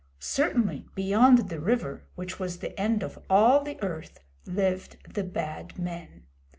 Certainly, beyond the river, which was the end of all the Earth, lived the Bad Men.